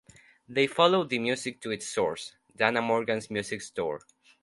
They followed the music to its source, Dana Morgan's Music Store.